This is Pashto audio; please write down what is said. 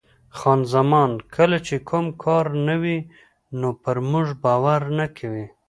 خان زمان: کله چې کوم کار نه وي نو پر موږ باور نه کوي.